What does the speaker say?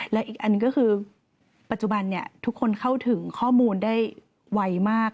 และอีกอันหนึ่งก็คือปัจจุบันทุกคนเข้าถึงข้อมูลได้ไวมาก